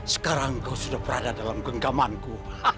sekarang kau sudah berada dalam genggamanku